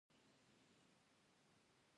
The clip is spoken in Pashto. دوی د هغو مچیو کیسې کوي چې انسانان خوري